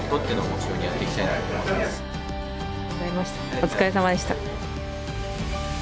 お疲れさまでした。